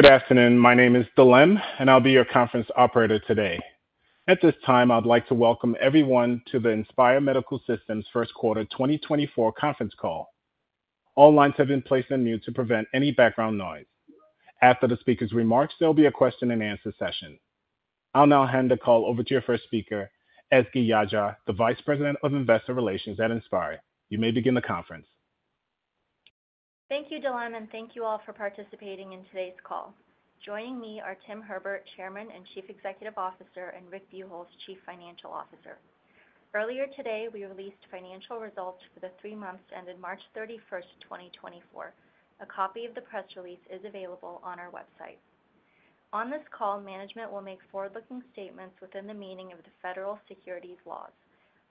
Good afternoon. My name is Dilem, and I'll be your conference operator today. At this time, I'd like to welcome everyone to the Inspire Medical Systems first quarter 2024 conference call. All lines have been placed on mute to prevent any background noise. After the speaker's remarks, there will be a question-and-answer session. I'll now hand the call over to your first speaker, Ezgi Yagci, the Vice President of Investor Relations at Inspire. You may begin the conference. Thank you, Dilem, and thank you all for participating in today's call. Joining me are Tim Herbert, Chairman and Chief Executive Officer, and Rick Buchholz, Chief Financial Officer. Earlier today, we released financial results for the three months ended March 31, 2024. A copy of the press release is available on our website. On this call, management will make forward-looking statements within the meaning of the federal securities laws.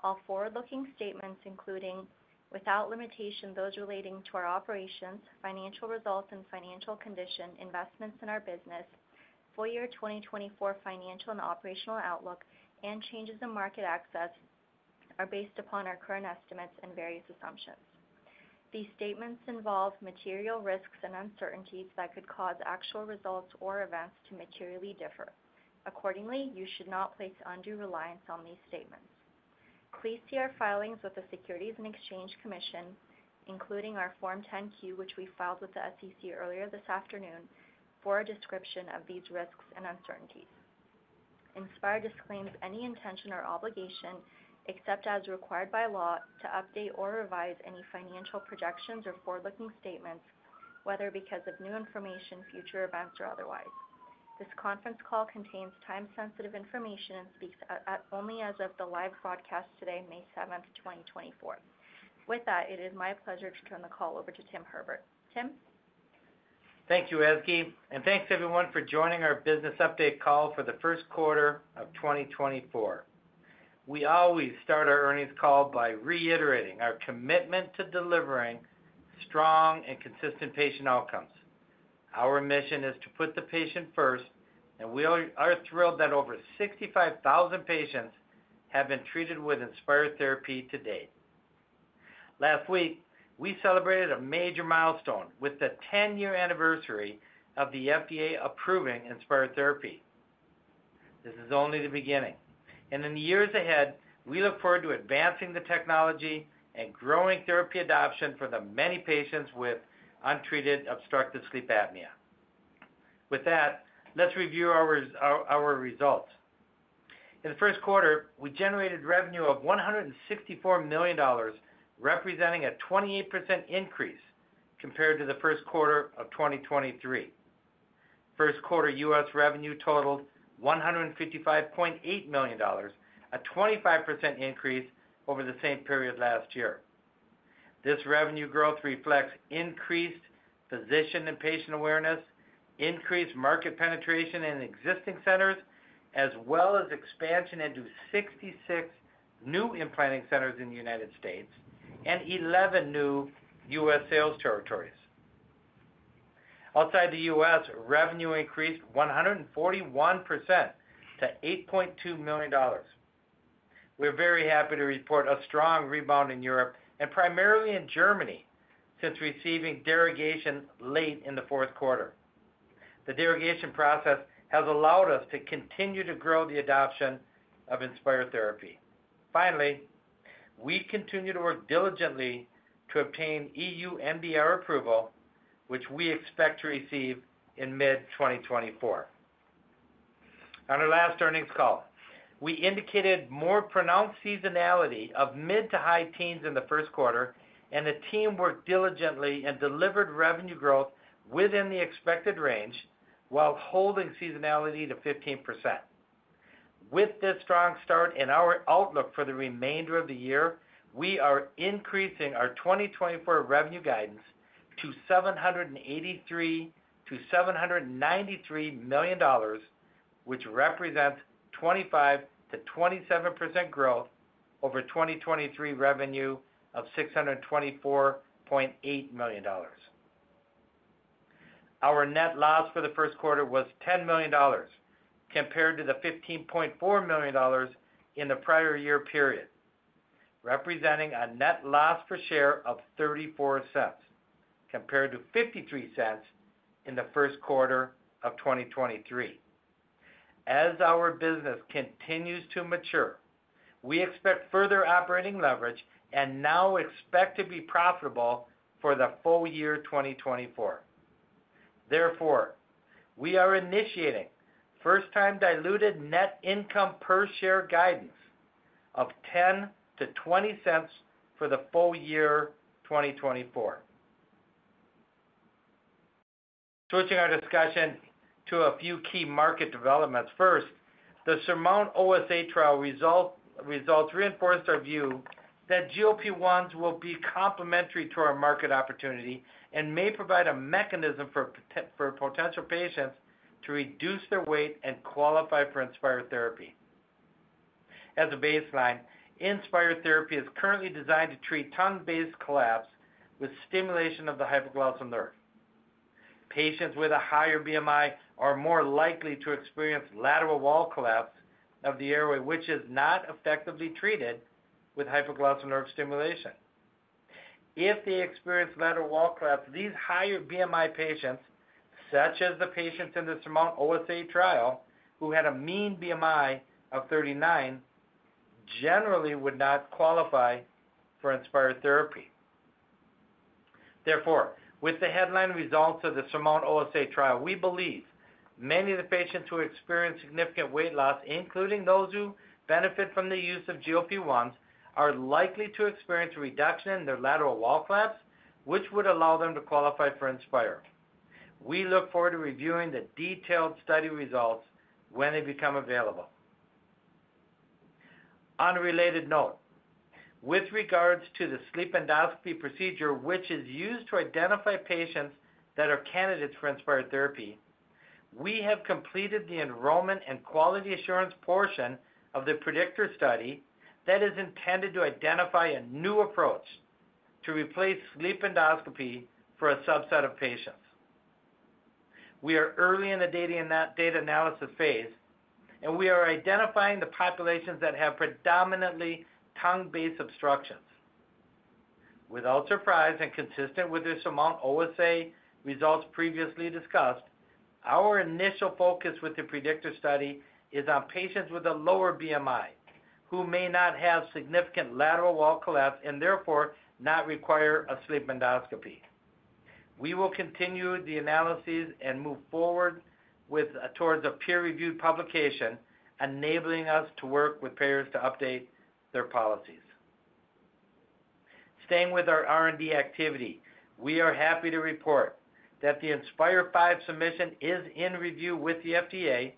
All forward-looking statements, including without limitation, those relating to our operations, financial results and financial condition, investments in our business, full year 2024 financial and operational outlook, and changes in market access, are based upon our current estimates and various assumptions. These statements involve material risks and uncertainties that could cause actual results or events to materially differ. Accordingly, you should not place undue reliance on these statements. Please see our filings with the Securities and Exchange Commission, including our Form 10-Q, which we filed with the SEC earlier this afternoon, for a description of these risks and uncertainties. Inspire disclaims any intention or obligation, except as required by law, to update or revise any financial projections or forward-looking statements, whether because of new information, future events, or otherwise. This conference call contains time-sensitive information and speaks only as of the live broadcast today, May 7, 2024. With that, it is my pleasure to turn the call over to Tim Herbert. Tim? Thank you, Ezgi, and thanks everyone for joining our business update call for the first quarter of 2024. We always start our earnings call by reiterating our commitment to delivering strong and consistent patient outcomes. Our mission is to put the patient first, and we are thrilled that over 65,000 patients have been treated with Inspire therapy to date. Last week, we celebrated a major milestone with the 10-year anniversary of the FDA approving Inspire therapy. This is only the beginning, and in the years ahead, we look forward to advancing the technology and growing therapy adoption for the many patients with untreated obstructive sleep apnea. With that, let's review our results. In the first quarter, we generated revenue of $164 million, representing a 28% increase compared to the first quarter of 2023. First quarter U.S. revenue totaled $155.8 million, a 25% increase over the same period last year. This revenue growth reflects increased physician and patient awareness, increased market penetration in existing centers, as well as expansion into 66 new implanting centers in the United States and 11 new U.S. sales territories. Outside the U.S., revenue increased 141% to $8.2 million. We're very happy to report a strong rebound in Europe and primarily in Germany, since receiving derogation late in the fourth quarter. The derogation process has allowed us to continue to grow the adoption of Inspire therapy. Finally, we continue to work diligently to obtain EU MDR approval, which we expect to receive in mid-2024. On our last earnings call, we indicated more pronounced seasonality of mid- to high teens in the first quarter, and the team worked diligently and delivered revenue growth within the expected range while holding seasonality to 15%. With this strong start in our outlook for the remainder of the year, we are increasing our 2024 revenue guidance to $783 million-$793 million, which represents 25%-27% growth over 2023 revenue of $624.8 million. Our net loss for the first quarter was $10 million, compared to the $15.4 million in the prior year period, representing a net loss per share of $0.34, compared to $0.53 in the first quarter of 2023. As our business continues to mature, we expect further operating leverage and now expect to be profitable for the full year 2024. Therefore, we are initiating first-time diluted net income per share guidance of $0.10-$0.20 for the full year 2024. Switching our discussion to a few key market developments. First, the SURMOUNT-OSA trial results reinforced our view that GLP-1s will be complementary to our market opportunity and may provide a mechanism for potential patients to reduce their weight and qualify for Inspire therapy. As a baseline, Inspire therapy is currently designed to treat tongue-based collapse with stimulation of the hypoglossal nerve. Patients with a higher BMI are more likely to experience lateral wall collapse of the airway, which is not effectively treated with hypoglossal nerve stimulation. If they experience lateral wall collapse, these higher BMI patients, such as the patients in the SURMOUNT-OSA trial, who had a mean BMI of 39, generally would not qualify for Inspire therapy. Therefore, with the headline results of the SURMOUNT-OSA trial, we believe many of the patients who experience significant weight loss, including those who benefit from the use of GLP-1s, are likely to experience a reduction in their lateral wall collapse, which would allow them to qualify for Inspire. We look forward to reviewing the detailed study results when they become available. On a related note, with regards to the sleep endoscopy procedure, which is used to identify patients that are candidates for Inspire therapy, we have completed the enrollment and quality assurance portion of the Predictor study that is intended to identify a new approach to replace sleep endoscopy for a subset of patients. We are early in the data, in that data analysis phase, and we are identifying the populations that have predominantly tongue-based obstructions. Without surprise, and consistent with the SURMOUNT-OSA results previously discussed, our initial focus with the predictor study is on patients with a lower BMI, who may not have significant lateral wall collapse and therefore not require a sleep endoscopy. We will continue the analyses and move forward towards a peer-reviewed publication, enabling us to work with payers to update their policies. Staying with our R&D activity, we are happy to report that the Inspire V submission is in review with the FDA,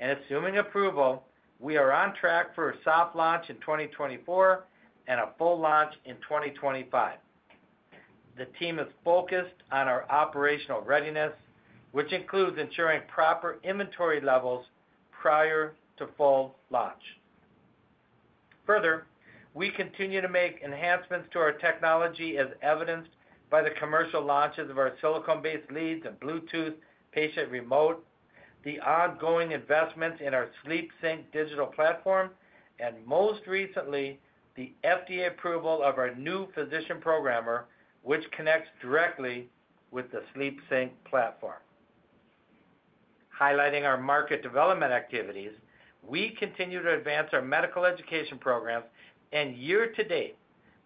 and assuming approval, we are on track for a soft launch in 2024 and a full launch in 2025. The team is focused on our operational readiness, which includes ensuring proper inventory levels prior to full launch. Further, we continue to make enhancements to our technology, as evidenced by the commercial launches of our silicone-based leads and Bluetooth patient remote, the ongoing investments in our SleepSync digital platform, and most recently, the FDA approval of our new physician programmer, which connects directly with the SleepSync platform. Highlighting our market development activities, we continue to advance our medical education programs, and year to date,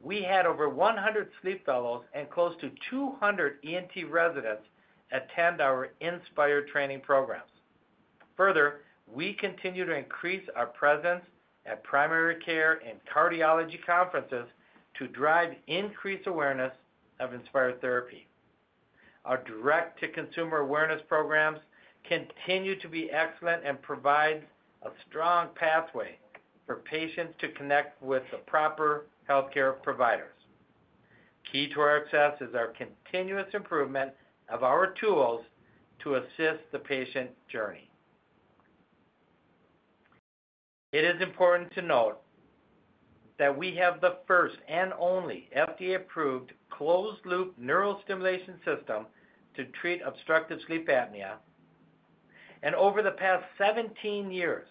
we had over 100 sleep fellows and close to 200 ENT residents attend our Inspire training programs. Further, we continue to increase our presence at primary care and cardiology conferences to drive increased awareness of Inspire therapy. Our direct-to-consumer awareness programs continue to be excellent and provide a strong pathway for patients to connect with the proper healthcare providers. Key to our success is our continuous improvement of our tools to assist the patient journey. It is important to note that we have the first and only FDA-approved closed-loop neural stimulation system to treat obstructive sleep apnea, and over the past 17 years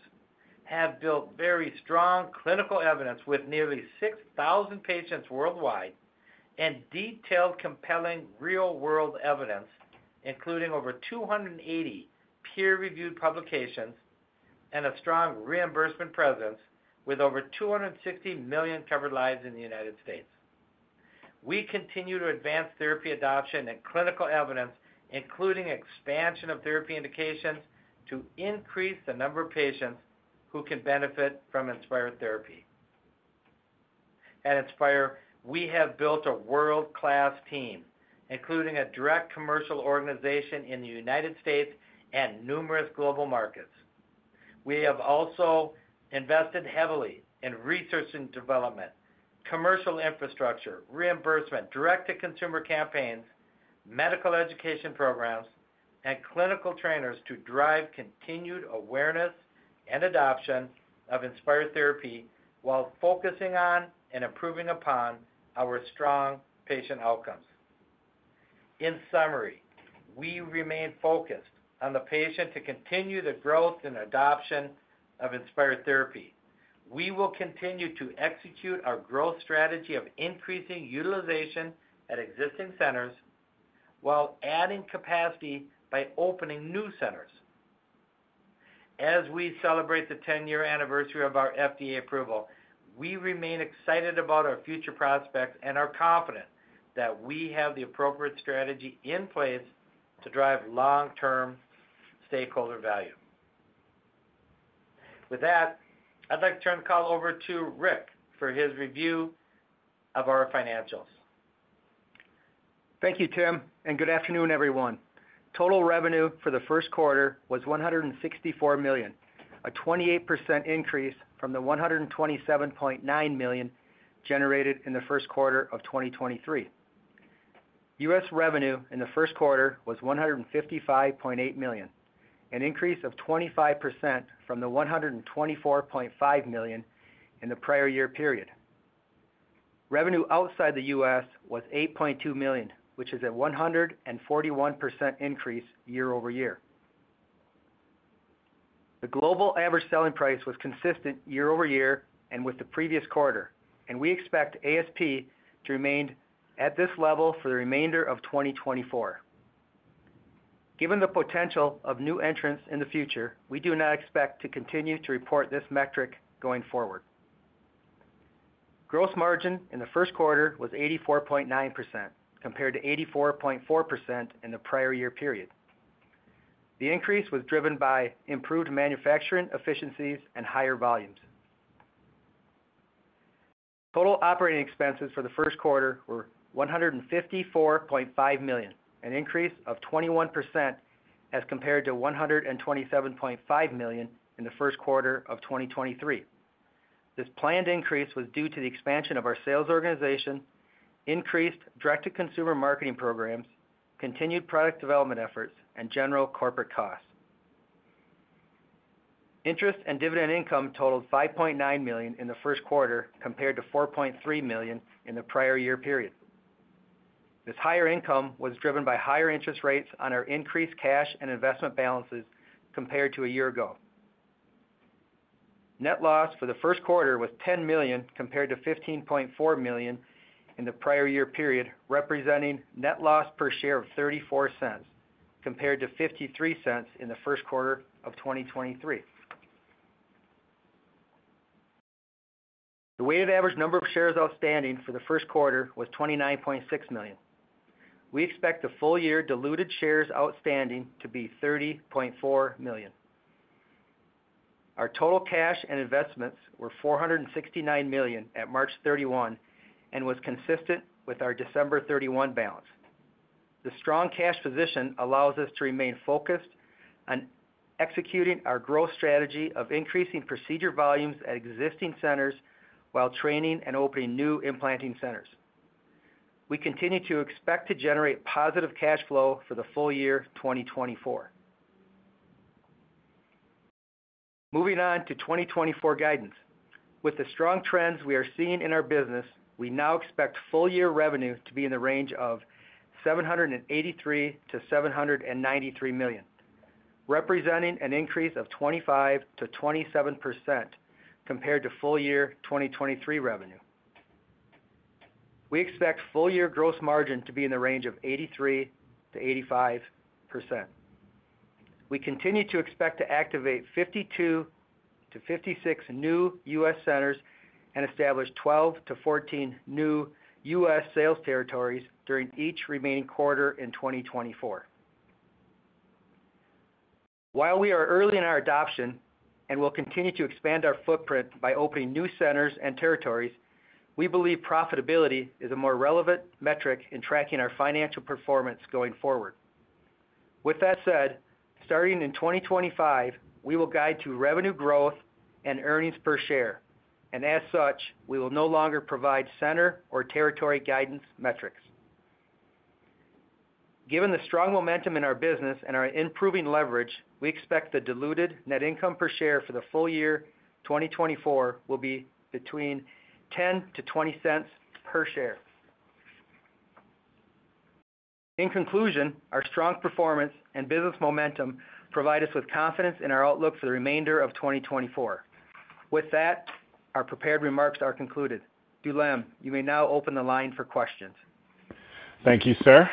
have built very strong clinical evidence with nearly 6,000 patients worldwide and detailed, compelling, real-world evidence, including over 280 peer-reviewed publications and a strong reimbursement presence with over 260 million covered lives in the United States. We continue to advance therapy adoption and clinical evidence, including expansion of therapy indications, to increase the number of patients who can benefit from Inspire therapy. At Inspire, we have built a world-class team, including a direct commercial organization in the United States and numerous global markets. We have also invested heavily in research and development, commercial infrastructure, reimbursement, direct-to-consumer campaigns, medical education programs, and clinical trainers to drive continued awareness and adoption of Inspire therapy while focusing on and improving upon our strong patient outcomes. In summary, we remain focused on the patient to continue the growth and adoption of Inspire therapy. We will continue to execute our growth strategy of increasing utilization at existing centers while adding capacity by opening new centers. As we celebrate the 10-year anniversary of our FDA approval, we remain excited about our future prospects and are confident that we have the appropriate strategy in place to drive long-term stakeholder value. With that, I'd like to turn the call over to Rick for his review of our financials. Thank you, Tim, and good afternoon, everyone. Total revenue for the first quarter was $164 million, a 28% increase from the $127.9 million generated in the first quarter of 2023. US revenue in the first quarter was $155.8 million, an increase of 25% from the $124.5 million in the prior year period. Revenue outside the US was $8.2 million, which is a 141% increase year over year.... The global average selling price was consistent year over year and with the previous quarter, and we expect ASP to remain at this level for the remainder of 2024. Given the potential of new entrants in the future, we do not expect to continue to report this metric going forward. Gross margin in the first quarter was 84.9%, compared to 84.4% in the prior year period. The increase was driven by improved manufacturing efficiencies and higher volumes. Total operating expenses for the first quarter were $154.5 million, an increase of 21% as compared to $127.5 million in the first quarter of 2023. This planned increase was due to the expansion of our sales organization, increased direct-to-consumer marketing programs, continued product development efforts, and general corporate costs. Interest and dividend income totaled $5.9 million in the first quarter, compared to $4.3 million in the prior year period. This higher income was driven by higher interest rates on our increased cash and investment balances compared to a year ago. Net loss for the first quarter was $10 million, compared to $15.4 million in the prior year period, representing net loss per share of $0.34, compared to $0.53 in the first quarter of 2023. The weighted average number of shares outstanding for the first quarter was 29.6 million. We expect the full year diluted shares outstanding to be 30.4 million. Our total cash and investments were $469 million at March 31, and was consistent with our December 31 balance. The strong cash position allows us to remain focused on executing our growth strategy of increasing procedure volumes at existing centers while training and opening new implanting centers. We continue to expect to generate positive cash flow for the full year, 2024. Moving on to 2024 guidance. With the strong trends we are seeing in our business, we now expect full year revenue to be in the range of $783 million-$793 million, representing an increase of 25%-27% compared to full year 2023 revenue. We expect full year gross margin to be in the range of 83%-85%. We continue to expect to activate 52-56 new U.S. centers and establish 12-14 new U.S. sales territories during each remaining quarter in 2024. While we are early in our adoption and will continue to expand our footprint by opening new centers and territories, we believe profitability is a more relevant metric in tracking our financial performance going forward. With that said, starting in 2025, we will guide to revenue growth and earnings per share, and as such, we will no longer provide center or territory guidance metrics. Given the strong momentum in our business and our improving leverage, we expect the diluted net income per share for the full year 2024 will be between $0.10-$0.20 per share. In conclusion, our strong performance and business momentum provide us with confidence in our outlook for the remainder of 2024. With that, our prepared remarks are concluded. Dilem, you may now open the line for questions. Thank you, sir.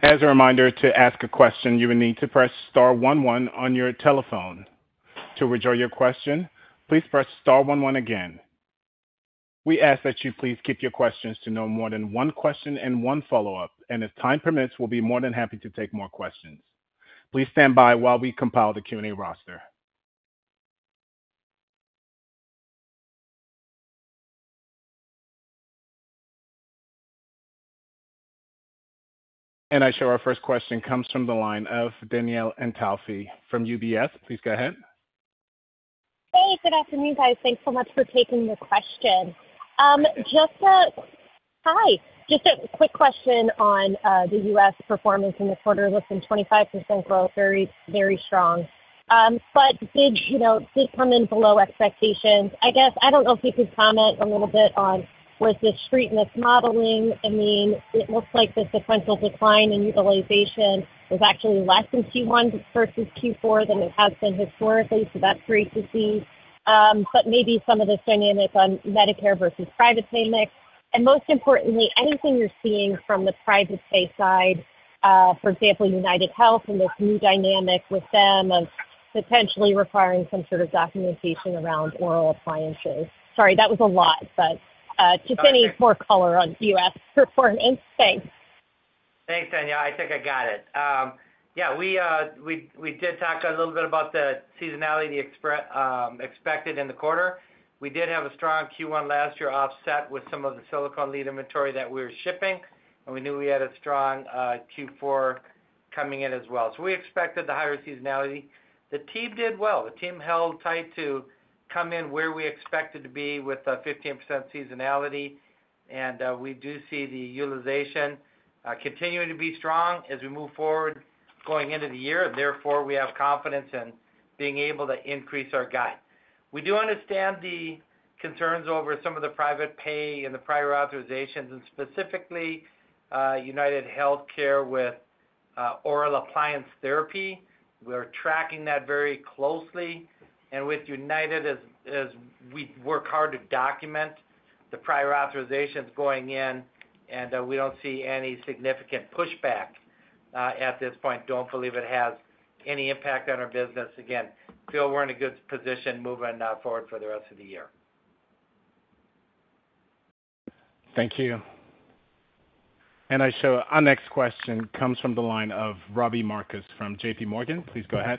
As a reminder, to ask a question, you will need to press star one one on your telephone. To withdraw your question, please press star one one again. We ask that you please keep your questions to no more than one question and one follow-up, and if time permits, we'll be more than happy to take more questions. Please stand by while we compile the Q&A roster. And I see our first question comes from the line of Danielle Antalffy from UBS. Please go ahead. Hey, good afternoon, guys. Thanks so much for taking the question. Just a quick question on the U.S. performance in the quarter. Less than 25% growth, very, very strong. But did, you know, did come in below expectations. I guess, I don't know if you could comment a little bit on, was this street mismodeling? I mean, it looks like the sequential decline in utilization was actually less in Q1 versus Q4 than it has been historically, so that's great to see. But maybe some of this dynamic on Medicare versus private pay mix, and most importantly, anything you're seeing from the private pay side, for example, UnitedHealthcare and this new dynamic with them of potentially requiring some sort of documentation around oral appliances. Sorry, that was a lot, but just any more color on U.S. performance? Thanks. Thanks, Danielle. I think I got it. Yeah, we did talk a little bit about the seasonality, the expected in the quarter. We did have a strong Q1 last year, offset with some of the silicone lead inventory that we were shipping, and we knew we had a strong Q4 coming in as well. So we expected the higher seasonality. The team did well. The team held tight to come in where we expected to be with a 15% seasonality, and we do see the utilization continuing to be strong as we move forward going into the year, and therefore, we have confidence in being able to increase our guide.... We do understand the concerns over some of the private pay and the prior authorizations, and specifically, UnitedHealthcare with, oral appliance therapy. We are tracking that very closely, and with United, as we work hard to document the prior authorizations going in, and, we don't see any significant pushback, at this point. Don't believe it has any impact on our business. Again, feel we're in a good position moving, forward for the rest of the year. Thank you. I show our next question comes from the line of Robbie Marcus from JP Morgan. Please go ahead.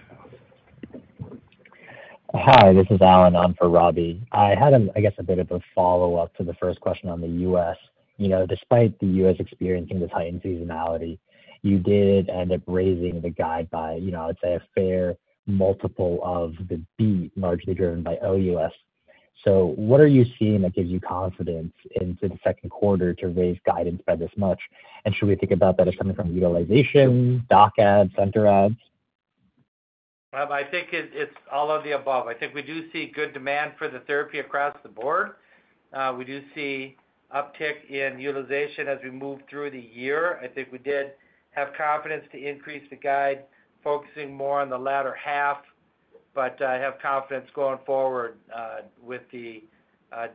Hi, this is Kallum. I'm for Robbie. I had, I guess, a bit of a follow-up to the first question on the US. You know, despite the US experiencing the heightened seasonality, you did end up raising the guide by, you know, I would say, a fair multiple of the beat, largely driven by OUS. So what are you seeing that gives you confidence into the second quarter to raise guidance by this much? And should we think about that as coming from utilization, doc adds, center adds? Rob, I think it's all of the above. I think we do see good demand for the therapy across the board. We do see uptick in utilization as we move through the year. I think we did have confidence to increase the guide, focusing more on the latter half, but I have confidence going forward with the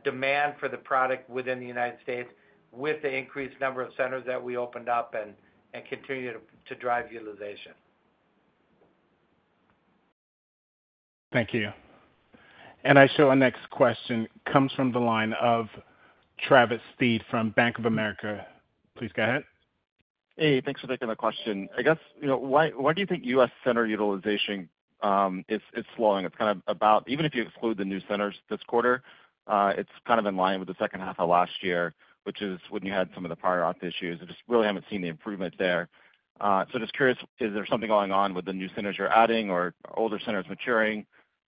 demand for the product within the United States, with the increased number of centers that we opened up and continue to drive utilization. Thank you. And I show our next question comes from the line of Travis Steed from Bank of America. Please go ahead. Hey, thanks for taking my question. I guess, you know, why, why do you think US center utilization is slowing? It's kind of about even. Even if you exclude the new centers this quarter, it's kind of in line with the second half of last year, which is when you had some of the prior auth issues. I just really haven't seen the improvement there. So just curious, is there something going on with the new centers you're adding or older centers maturing,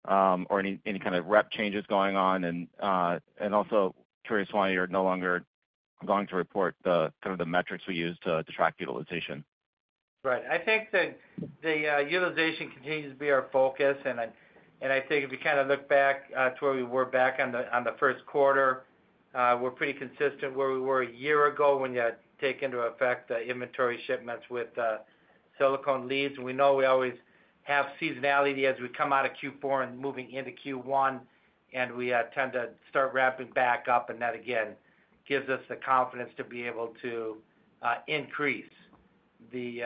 or any kind of rep changes going on? And also curious why you're no longer going to report the kind of the metrics we use to track utilization. Right. I think the utilization continues to be our focus, and I think if you kind of look back to where we were back on the first quarter, we're pretty consistent where we were a year ago when you take into effect the inventory shipments with silicone leads. We know we always have seasonality as we come out of Q4 and moving into Q1, and we tend to start ramping back up, and that, again, gives us the confidence to be able to increase the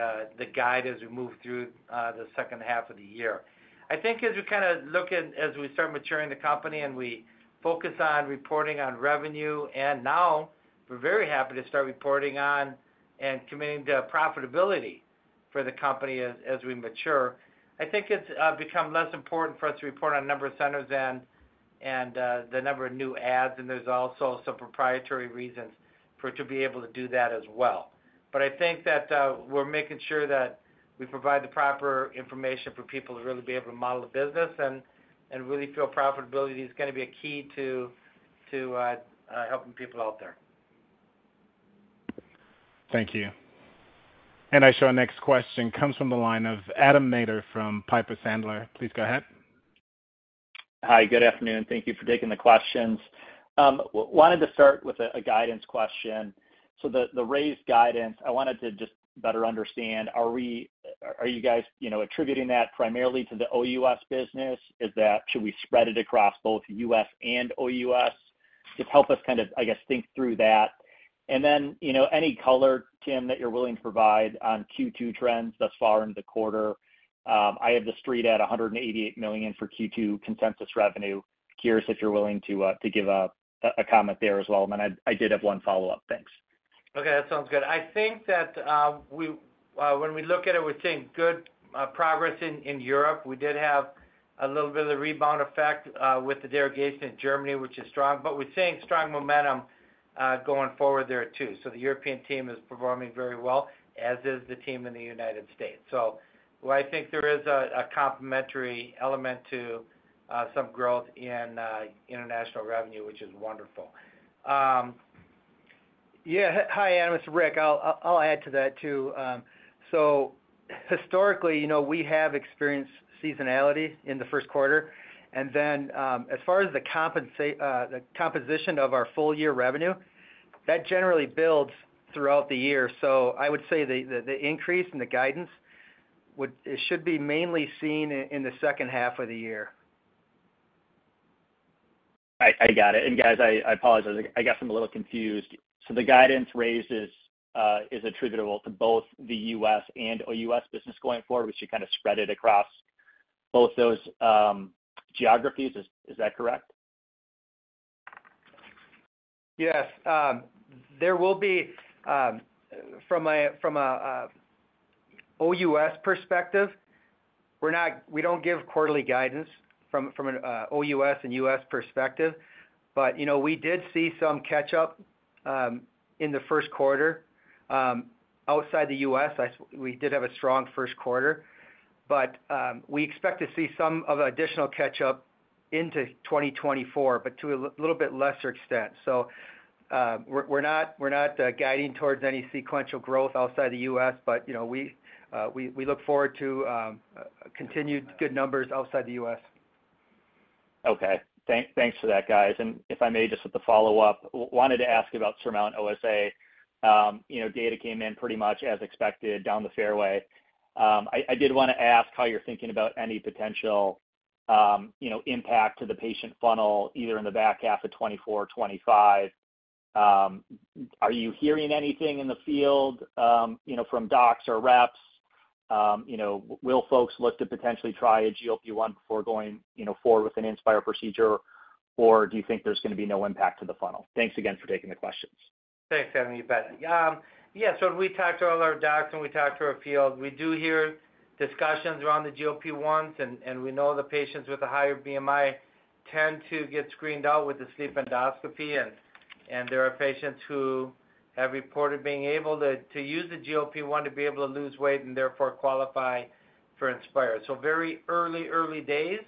guide as we move through the second half of the year. I think as we kind of look at as we start maturing the company, and we focus on reporting on revenue, and now we're very happy to start reporting on and committing to profitability for the company as we mature. I think it's become less important for us to report on number of centers and the number of new adds, and there's also some proprietary reasons for to be able to do that as well. But I think that we're making sure that we provide the proper information for people to really be able to model the business and really feel profitability is gonna be a key to helping people out there. Thank you. I show our next question comes from the line of Adam Maeder from Piper Sandler. Please go ahead. Hi, good afternoon. Thank you for taking the questions. Wanted to start with a guidance question. So the raised guidance, I wanted to just better understand, are you guys, you know, attributing that primarily to the OUS business? Is that, should we spread it across both US and OUS? Just help us kind of, I guess, think through that. And then, you know, any color, Tim, that you're willing to provide on Q2 trends thus far into the quarter. I have the street at $188 million for Q2 consensus revenue. Curious if you're willing to give a comment there as well. And then I did have one follow-up. Thanks. Okay, that sounds good. I think that, when we look at it, we're seeing good progress in Europe. We did have a little bit of the rebound effect with the derogation in Germany, which is strong, but we're seeing strong momentum going forward there, too. So the European team is performing very well, as is the team in the United States. So well, I think there is a complementary element to some growth in international revenue, which is wonderful. Yeah. Hi, Adam, it's Rick. I'll add to that, too. So historically, you know, we have experienced seasonality in the first quarter. And then, as far as the composition of our full-year revenue, that generally builds throughout the year. So I would say the increase in the guidance. It should be mainly seen in the second half of the year. I got it. And guys, I apologize. I guess I'm a little confused. So the guidance raises is attributable to both the U.S. and OUS business. Going forward, we should kind of spread it across both those geographies. Is that correct? Yes. There will be, from an OUS perspective, we're not—we don't give quarterly guidance from an OUS and U.S. perspective. But, you know, we did see some catch up in the first quarter. Outside the US, we did have a strong first quarter. But, we expect to see some of additional catch up into 2024, but to a little bit lesser extent. So... We're not guiding towards any sequential growth outside the US, but, you know, we look forward to continued good numbers outside the US. Okay. Thanks for that, guys. And if I may, just with the follow-up, wanted to ask about SURMOUNT-OSA. You know, data came in pretty much as expected down the fairway. I did wanna ask how you're thinking about any potential, you know, impact to the patient funnel, either in the back half of 2024, 2025. Are you hearing anything in the field, you know, from docs or reps? You know, will folks look to potentially try a GLP-1 before going, you know, forward with an Inspire procedure? Or do you think there's gonna be no impact to the funnel? Thanks again for taking the questions. Thanks, Anthony. You bet. Yeah, so we talked to all our docs, and we talked to our field. We do hear discussions around the GLP-1s, and we know the patients with a higher BMI tend to get screened out with the sleep endoscopy, and there are patients who have reported being able to use the GLP-1 to be able to lose weight and therefore qualify for Inspire. So very early days,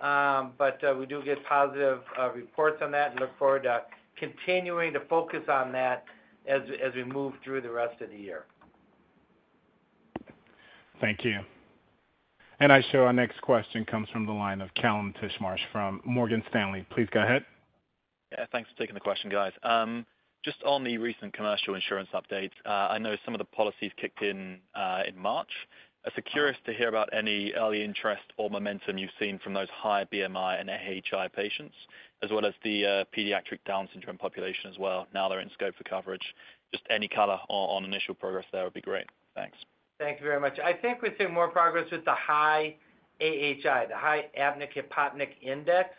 but we do get positive reports on that and look forward to continuing to focus on that as we move through the rest of the year. Thank you. And I show our next question comes from the line of Calum Tishmarsh from Morgan Stanley. Please go ahead. Yeah, thanks for taking the question, guys. Just on the recent commercial insurance updates, I know some of the policies kicked in in March. I'm curious to hear about any early interest or momentum you've seen from those high BMI and AHI patients, as well as the pediatric Down syndrome population as well, now they're in scope for coverage. Just any color on initial progress there would be great. Thanks. Thank you very much. I think we've seen more progress with the high AHI, the high Apnea-Hypopnea Index,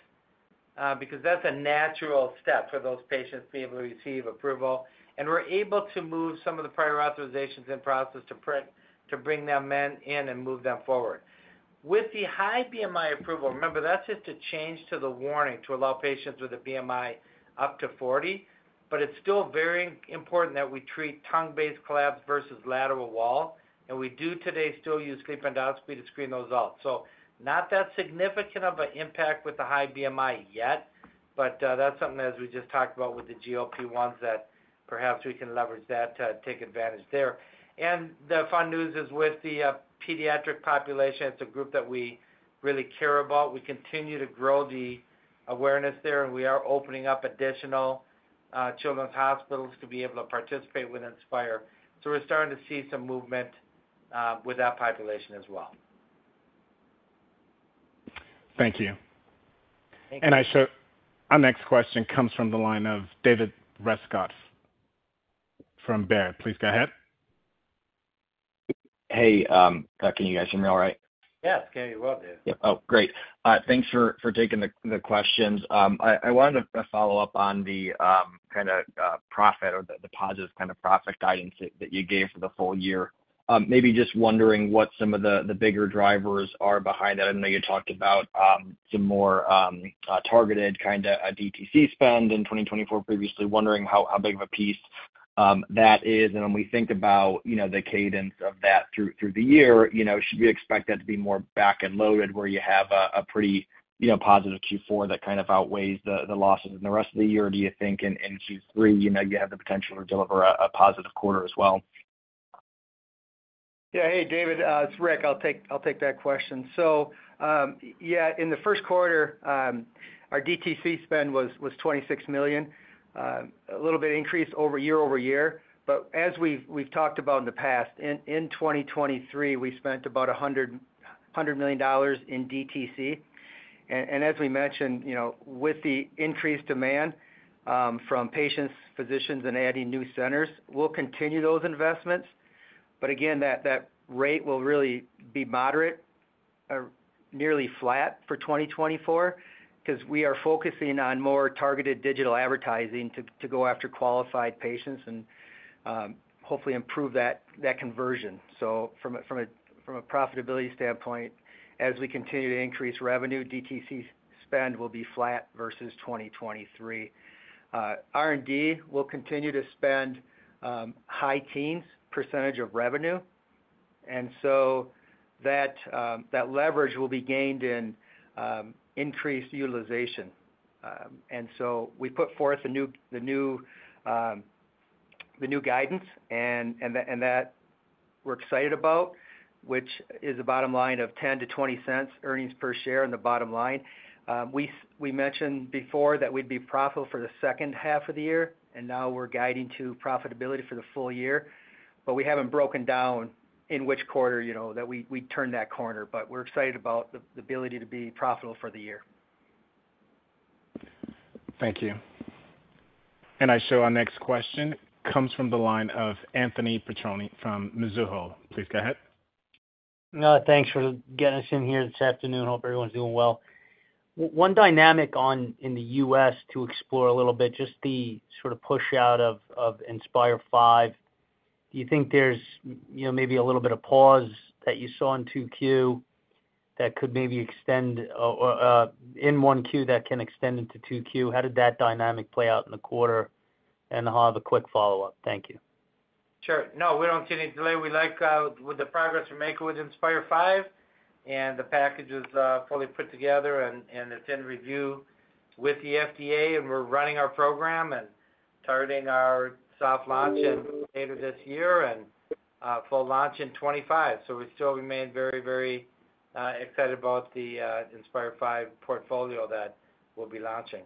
because that's a natural step for those patients to be able to receive approval. And we're able to move some of the prior authorizations in process to pre- to bring them in and move them forward. With the high BMI approval, remember, that's just a change to the warning to allow patients with a BMI up to 40, but it's still very important that we treat tongue-based collapse versus lateral wall, and we do today still use sleep endoscopy to screen those out. So not that significant of an impact with the high BMI yet, but, that's something, as we just talked about with the GLP-1s, that perhaps we can leverage that to take advantage there. The fun news is, with the pediatric population, it's a group that we really care about. We continue to grow the awareness there, and we are opening up additional children's hospitals to be able to participate with Inspire. We're starting to see some movement with that population as well. Thank you. Thank you. I show our next question comes from the line of David Rescott from Baird. Please go ahead. Hey, can you guys hear me all right? Yes, can hear you well, Dave. Yep. Oh, great. Thanks for taking the questions. I wanted to follow up on the kind of profit or the positive kind of profit guidance that you gave for the full year. Maybe just wondering what some of the bigger drivers are behind that. I know you talked about some more targeted kinda DTC spend in 2024 previously. Wondering how big of a piece that is. And when we think about, you know, the cadence of that through the year, you know, should we expect that to be more back and loaded, where you have a pretty, you know, positive Q4 that kind of outweighs the losses in the rest of the year? Or do you think in Q3, you know, you have the potential to deliver a positive quarter as well? Yeah. Hey, David, it's Rick. I'll take that question. So, yeah, in the first quarter, our DTC spend was $26 million, a little bit increase over year-over-year. But as we've talked about in the past, in 2023, we spent about $100 million in DTC. And as we mentioned, you know, with the increased demand from patients, physicians, and adding new centers, we'll continue those investments. But again, that rate will really be moderate or nearly flat for 2024, 'cause we are focusing on more targeted digital advertising to go after qualified patients and hopefully improve that conversion. So from a profitability standpoint, as we continue to increase revenue, DTC spend will be flat versus 2023. R&D will continue to spend high teens % of revenue, and so that that leverage will be gained in increased utilization. And so we put forth the new, the new, the new guidance and that, and that we're excited about, which is a bottom line of $0.10-$0.20 earnings per share on the bottom line. We mentioned before that we'd be profitable for the second half of the year, and now we're guiding to profitability for the full year, but we haven't broken down in which quarter, you know, that we turned that corner. But we're excited about the ability to be profitable for the year. Thank you. And I show our next question comes from the line of Anthony Petrone from Mizuho. Please go ahead. Thanks for getting us in here this afternoon. Hope everyone's doing well. One dynamic in the US to explore a little bit, just the sort of push out of Inspire 5. Do you think there's, you know, maybe a little bit of pause that you saw in 2Q that could maybe extend or in 1Q that can extend into 2Q? How did that dynamic play out in the quarter? And I'll have a quick follow-up. Thank you.... Sure. No, we don't see any delay. We like with the progress we're making with Inspire V, and the package is fully put together, and it's in review with the FDA, and we're running our program and targeting our soft launch in later this year, and full launch in 2025. So we still remain very, very excited about the Inspire V portfolio that we'll be launching.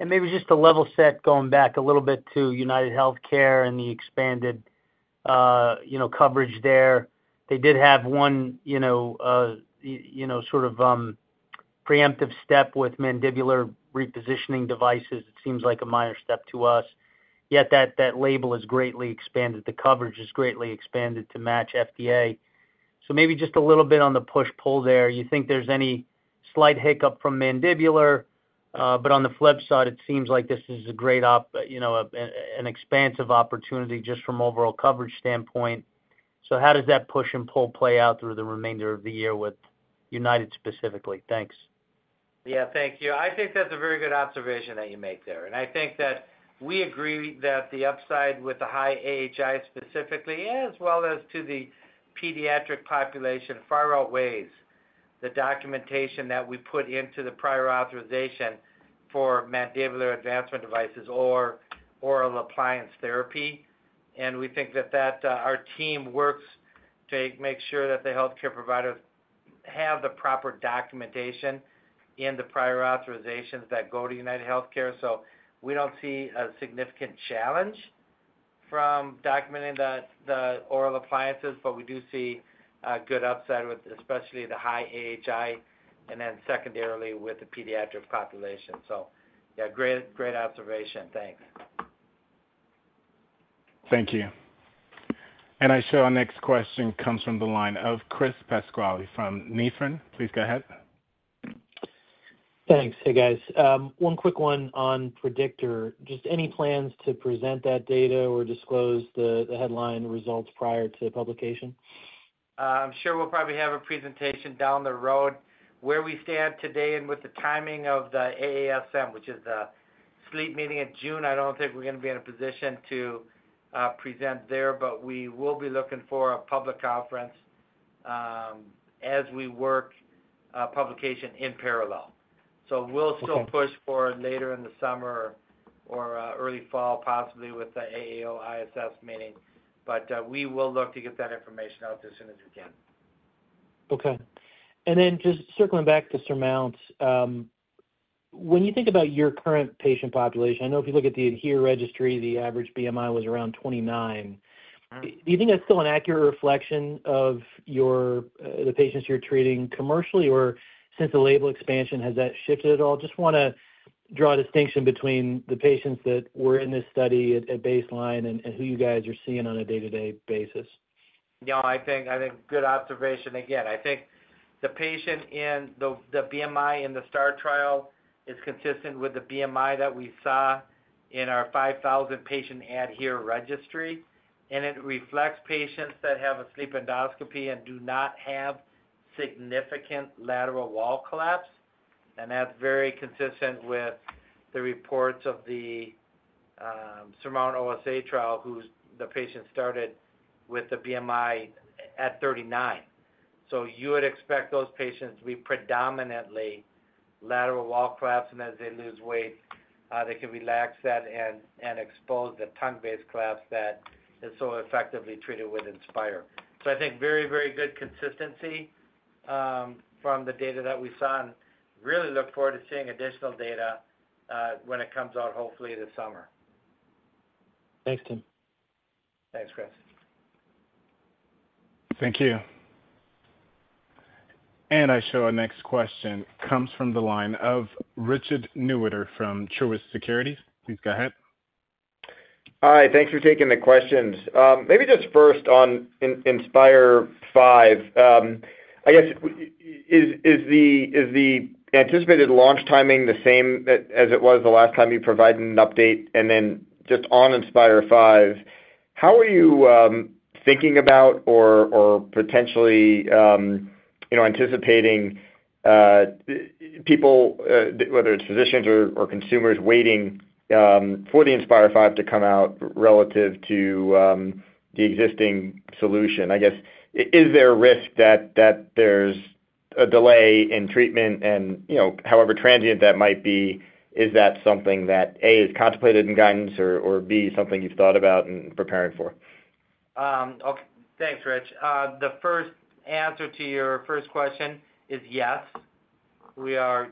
And maybe just to level set, going back a little bit to UnitedHealthcare and the expanded, you know, coverage there. They did have one, you know, you know, sort of, preemptive step with mandibular repositioning devices. It seems like a minor step to us, yet that, that label is greatly expanded. The coverage is greatly expanded to match FDA. So maybe just a little bit on the push-pull there. You think there's any slight hiccup from mandibular? But on the flip side, it seems like this is a great you know, an expansive opportunity just from overall coverage standpoint. So how does that push and pull play out through the remainder of the year with United specifically? Thanks. Yeah, thank you. I think that's a very good observation that you make there, and I think that we agree that the upside with the high AHI, specifically, as well as to the pediatric population, far outweighs the documentation that we put into the prior authorization for mandibular advancement devices or oral appliance therapy. And we think that our team works to make sure that the healthcare providers have the proper documentation in the prior authorizations that go to UnitedHealthcare. So we don't see a significant challenge from documenting the oral appliances, but we do see a good upside with especially the high AHI, and then secondarily, with the pediatric population. So yeah, great, great observation. Thanks. Thank you. I show our next question comes from the line of Chris Pasquale from Nephron. Please go ahead. Thanks. Hey, guys. One quick one on Predictor. Just any plans to present that data or disclose the headline results prior to publication? I'm sure we'll probably have a presentation down the road. Where we stand today and with the timing of the AASM, which is the sleep meeting in June, I don't think we're gonna be in a position to present there, but we will be looking for a public conference, as we work publication in parallel. Okay. We'll still push for later in the summer or early fall, possibly with the AAO-HNS meeting, but we will look to get that information out as soon as we can. Okay. And then just circling back to SURMOUNT. When you think about your current patient population, I know if you look at the ADHERE registry, the average BMI was around 29. Mm-hmm. Do you think that's still an accurate reflection of your, the patients you're treating commercially, or since the label expansion, has that shifted at all? Just wanna draw a distinction between the patients that were in this study at baseline and who you guys are seeing on a day-to-day basis. Yeah, I think, I think good observation again. I think the patient in the, the BMI in the STAR trial is consistent with the BMI that we saw in our 5,000 patient ADHERE registry, and it reflects patients that have a sleep endoscopy and do not have significant lateral wall collapse. And that's very consistent with the reports of the, SURMOUNT-OSA trial, whose the patient started with the BMI at 39. So you would expect those patients to be predominantly lateral wall collapse, and as they lose weight, they can relax that and, and expose the tongue-based collapse that is so effectively treated with Inspire. So I think very, very good consistency, from the data that we saw, and really look forward to seeing additional data, when it comes out, hopefully this summer. Thanks, Tim. Thanks, Chris. Thank you. Our next question comes from the line of Richard Newitter from Truist Securities. Please go ahead. Hi, thanks for taking the questions. Maybe just first on Inspire V. I guess, is the anticipated launch timing the same as it was the last time you provided an update? And then just on Inspire V, how are you thinking about or potentially you know anticipating people whether it's physicians or consumers waiting for the Inspire V to come out relative to the existing solution? I guess, is there a risk that there's a delay in treatment and you know however transient that might be, is that something that, A, is contemplated in guidance or B, something you've thought about and preparing for? OK, thanks, Rich. The first answer to your first question is yes, we are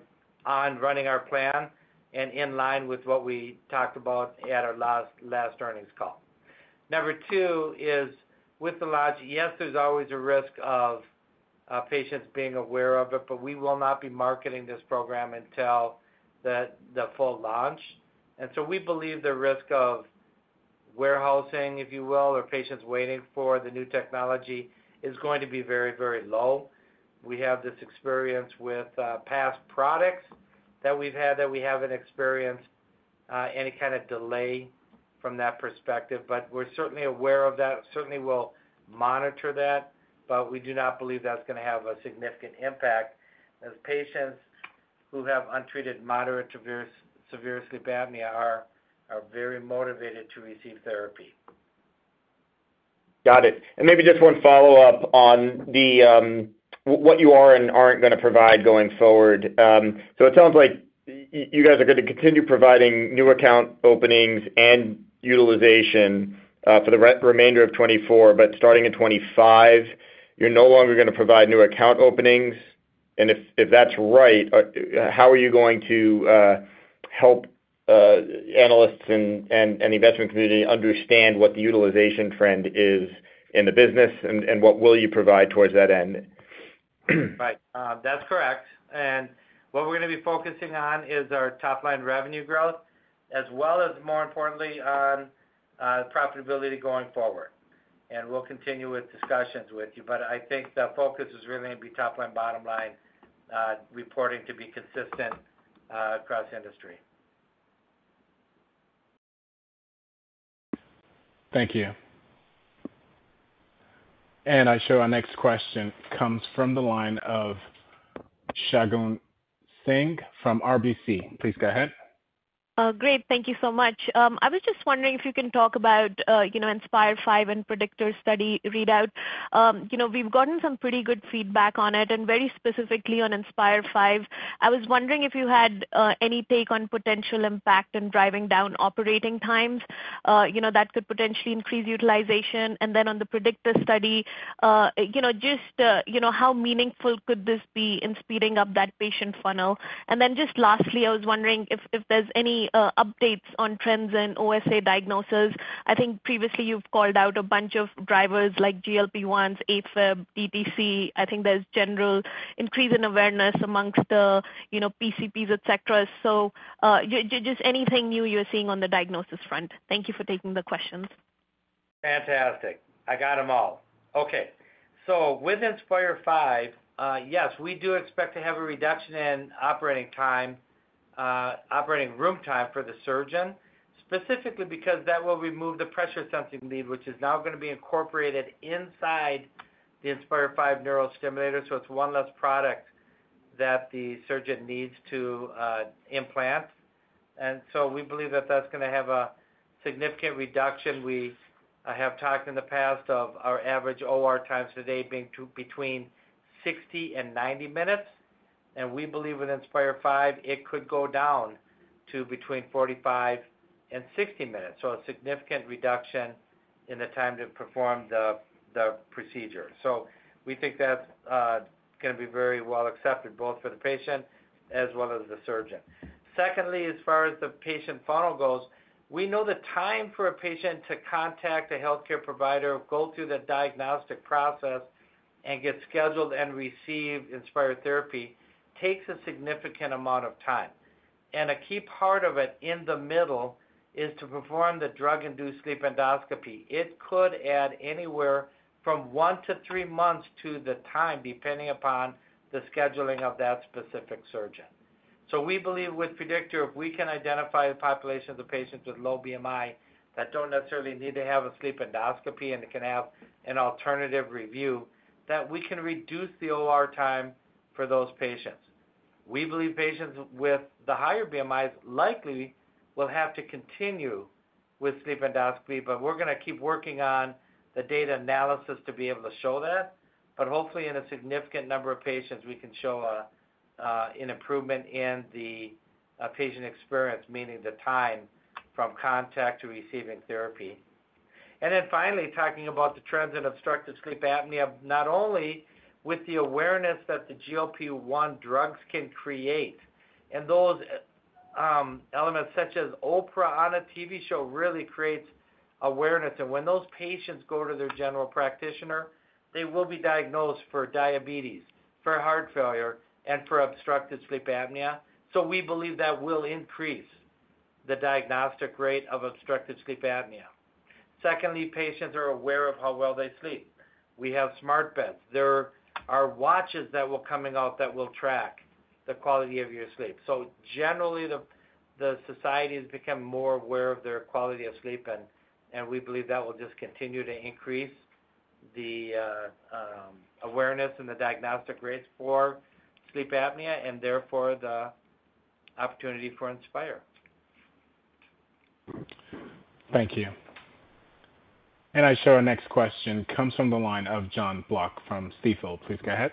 on running our plan and in line with what we talked about at our last earnings call. Number two is, with the launch, yes, there's always a risk of patients being aware of it, but we will not be marketing this program until the full launch. And so we believe the risk of warehousing, if you will, or patients waiting for the new technology is going to be very, very low. We have this experience with past products that we've had, that we haven't experienced any kind of delay from that perspective, but we're certainly aware of that. Certainly, we'll monitor that, but we do not believe that's gonna have a significant impact as patients-... who have untreated moderate to severe sleep apnea are very motivated to receive therapy. Got it. And maybe just one follow-up on the what you are and aren't going to provide going forward. So it sounds like you, you guys are going to continue providing new account openings and utilization for the remainder of 2024, but starting in 2025, you're no longer gonna provide new account openings. And if that's right, how are you going to help analysts and the investment community understand what the utilization trend is in the business, and what will you provide towards that end? Right. That's correct. And what we're gonna be focusing on is our top-line revenue growth, as well as, more importantly, on profitability going forward. And we'll continue with discussions with you, but I think the focus is really gonna be top-line, bottom line reporting to be consistent across industry. Thank you. And our next question comes from the line of Shagun Singh from RBC. Please go ahead. Great. Thank you so much. I was just wondering if you can talk about, you know, Inspire V and Predictor study readout. You know, we've gotten some pretty good feedback on it, and very specifically on Inspire V. I was wondering if you had any take on potential impact in driving down operating times, you know, that could potentially increase utilization. And then on the Predictor study, you know, just, you know, how meaningful could this be in speeding up that patient funnel? And then just lastly, I was wondering if there's any updates on trends in OSA diagnosis. I think previously you've called out a bunch of drivers like GLP-1s, AFib, DTC. I think there's general increase in awareness among the, you know, PCPs, et cetera. So, just anything new you're seeing on the diagnosis front. Thank you for taking the questions. Fantastic. I got them all. Okay, so with Inspire V, yes, we do expect to have a reduction in operating time, operating room time for the surgeon, specifically because that will remove the pressure-sensing lead, which is now gonna be incorporated inside the Inspire V neurostimulator. So it's one less product that the surgeon needs to implant. And so we believe that that's gonna have a significant reduction. We, I have talked in the past of our average OR times today being between 60 and 90 minutes, and we believe with Inspire V, it could go down to between 45 and 60 minutes. So a significant reduction in the time to perform the procedure. So we think that's gonna be very well accepted, both for the patient as well as the surgeon. Secondly, as far as the patient funnel goes, we know the time for a patient to contact a healthcare provider, go through the diagnostic process, and get scheduled and receive Inspire therapy takes a significant amount of time. A key part of it in the middle is to perform the drug-induced sleep endoscopy. It could add anywhere from 1-3 months to the time, depending upon the scheduling of that specific surgeon. So we believe with Predictor, if we can identify the population of the patients with low BMI that don't necessarily need to have a sleep endoscopy and can have an alternative review, that we can reduce the OR time for those patients. We believe patients with the higher BMIs likely will have to continue with sleep endoscopy, but we're gonna keep working on the data analysis to be able to show that. But hopefully, in a significant number of patients, we can show an improvement in the patient experience, meaning the time from contact to receiving therapy. And then finally, talking about the trends in obstructive sleep apnea, not only with the awareness that the GLP-1 drugs can create, and those elements, such as Oprah on a TV show, really creates awareness. And when those patients go to their general practitioner, they will be diagnosed for diabetes, for heart failure, and for obstructive sleep apnea. So we believe that will increase the diagnostic rate of obstructive sleep apnea. Secondly, patients are aware of how well they sleep. We have smart beds. There are watches that were coming out that will track the quality of your sleep. So generally, the society has become more aware of their quality of sleep, and we believe that will just continue to increase the awareness and the diagnostic rates for sleep apnea, and therefore, the opportunity for Inspire. Thank you. And I show our next question comes from the line of Jon Block from Stifel. Please go ahead.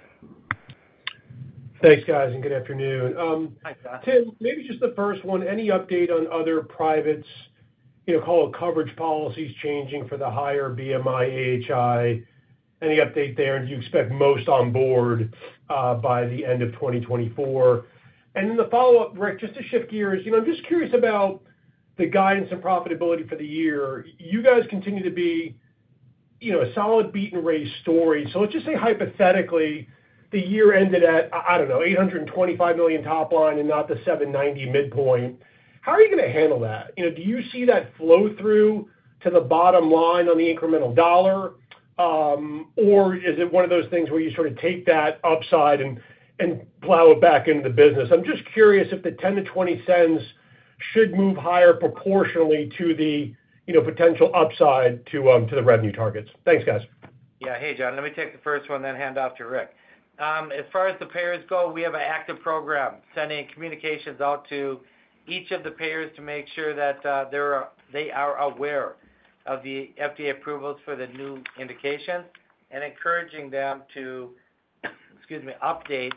Thanks, guys, and good afternoon. Hi, John. Tim, maybe just the first one, any update on other privates, you know, call it coverage policies changing for the higher BMI, AHI? Any update there, and do you expect most on board by the end of 2024? And then the follow-up, Rick, just to shift gears, you know, I'm just curious about the guidance and profitability for the year. You guys continue to be, you know, a solid beat and raise story. So let's just say hypothetically, the year ended at, I don't know, $825 million top-line and not the $790 midpoint. How are you gonna handle that? You know, do you see that flow through to the bottom line on the incremental dollar? Or is it one of those things where you sort of take that upside and plow it back into the business? I'm just curious if the $0.10-$0.20-... should move higher proportionally to the, you know, potential upside to the revenue targets? Thanks, guys. Yeah. Hey, John, let me take the first one, then hand off to Rick. As far as the payers go, we have an active program sending communications out to each of the payers to make sure that, they're, they are aware of the FDA approvals for the new indications and encouraging them to, excuse me, update,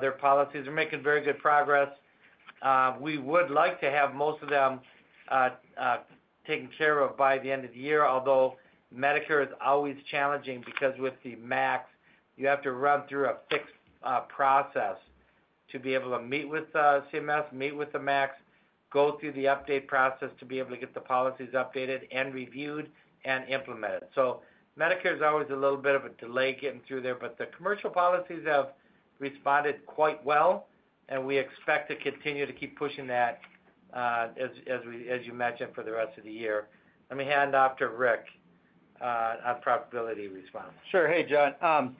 their policies. We're making very good progress. We would like to have most of them, taken care of by the end of the year, although Medicare is always challenging because with the MACs, you have to run through a fixed, process to be able to meet with, CMS, meet with the MACs, go through the update process to be able to get the policies updated and reviewed and implemented. So Medicare is always a little bit of a delay getting through there, but the commercial policies have responded quite well, and we expect to continue to keep pushing that, as you mentioned, for the rest of the year. Let me hand off to Rick on profitability response. Sure. Hey, John.